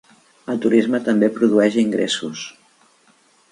El turisme també produeix ingressos.